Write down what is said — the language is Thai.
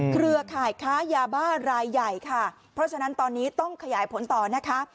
เครือข่ายค้ายาบ้ารายใหญ่ค่ะเพราะฉะนั้นตอนนี้ต้องขยายผลต่อนะคะ